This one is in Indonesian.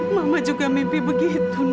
mama juga mimpi begitu